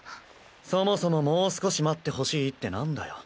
そもそも「もう少し待ってほしい」ってなんだよ。